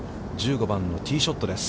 １５番のティーショットです。